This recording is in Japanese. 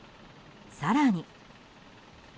更に。